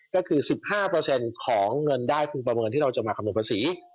ก็คือ๑๕ของเงินได้พึงประเมินที่เราจะมาคำนวณภาษี